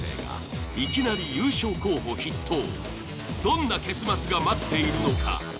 どんな結末が待っているのか？